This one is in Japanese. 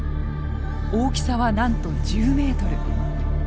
大きさはなんと１０ｍ。